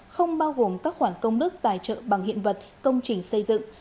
không bao gồm các khoản công đức tài trợ bằng hiện vật công trình xây dựng